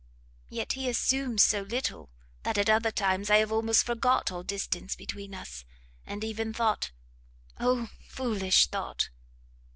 yet he assumes so little, that at other times, I have almost forgot all distance between us, and even thought Oh foolish thought!